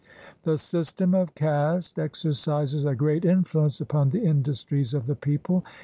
The system of caste exercises a great influence upon the industries of the people.